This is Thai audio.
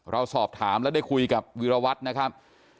เราสอบถามและได้คุยกับวีรวัตรนะครับ